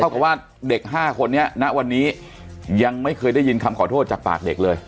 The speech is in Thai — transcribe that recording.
กับว่าเด็ก๕คนนี้ณวันนี้ยังไม่เคยได้ยินคำขอโทษจากปากเด็กเลย